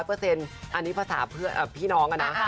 อันนี้ภาษาพี่น้องอ่ะนะ